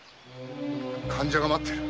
患者が待っている。